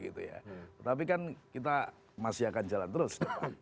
tetapi kan kita masih akan jalan terus